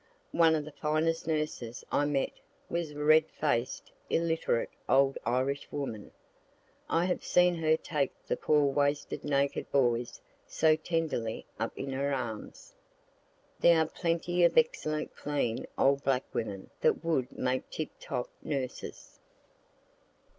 One of the finest nurses I met was a red faced illiterate old Irish woman; I have seen her take the poor wasted naked boys so tenderly up in her arms. There are plenty of excellent clean old black women that would make tip top nurses.